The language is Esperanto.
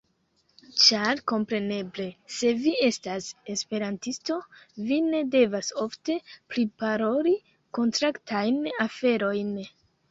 Ĉar kompreneble, se vi estas Esperantisto, vi ne devas ofte priparoli kontraktajn aferojn.